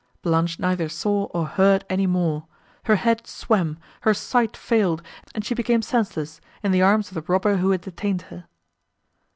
Blanche neither saw, nor heard any more; her head swam, her sight failed, and she became senseless in the arms of the robber, who had detained her.